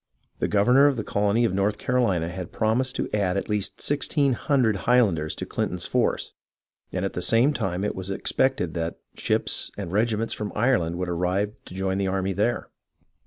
The governor of the colony of North Carolina had prom ised to add at least sixteen hundred Highlanders to Clin ton's forces, and at the same time it was expected that ships and regiments from Ireland would arrive to join the army there.